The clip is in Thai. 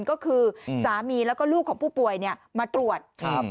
ก็คือสามีแล้วก็ลูกของผู้ป่วยเนี่ยมาตรวจครับ